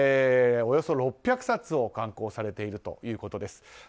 およそ６００冊を刊行されているということです。